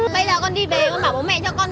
bây giờ con đi về ô bảo bố mẹ cho con